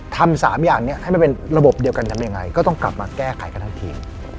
ทำ๓อย่างนี้ให้มันเป็นระบบเดียวกันทำยังไงก็ต้องกลับมาแก้ไขกันทั้งทีม